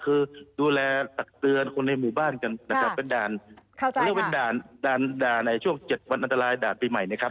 คือดูแลตักเตือนคนในหมู่บ้านกันนะครับเป็นด่านเขาเรียกว่าเป็นด่านด่านด่านในช่วง๗วันอันตรายด่านปีใหม่นะครับ